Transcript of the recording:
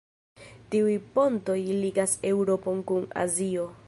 Tiuj pontoj ligas Eŭropon kun Azio.